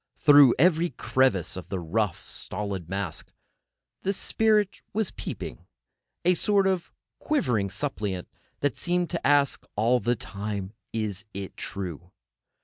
Through every crevice of the rough, stolid mask the spirit was peeping, a sort of quivering suppliant, that seemed to ask all the time: "Is it true?"